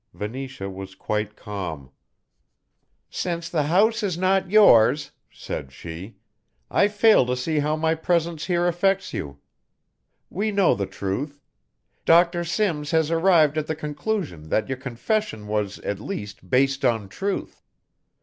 Venetia was quite calm. "Since the house is not yours," said she, "I fail to see how my presence here affects you. We know the truth. Dr. Simms has arrived at the conclusion that your confession was at least based on truth.